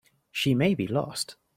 She may be lost.